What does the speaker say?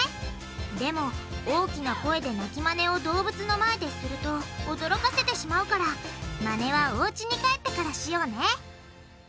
でも大きな声で鳴きマネを動物の前ですると驚かせてしまうからマネはおうちに帰ってからしようね。